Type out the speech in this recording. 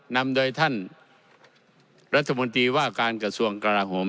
นำโดยท่านรัฐมนตรีว่าการกระทรวงกราโหม